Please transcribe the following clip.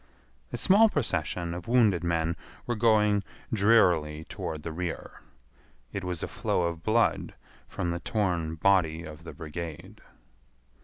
A small procession of wounded men were going drearily toward the rear. It was a flow of blood from the torn body of the brigade.